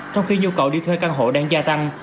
trong khi nhu cầu đi thuê căn hộ đang gia tăng